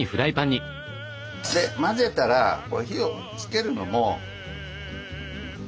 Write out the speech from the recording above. で混ぜたら火をつけるのも極弱火。